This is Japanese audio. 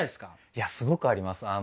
いやすごくあります。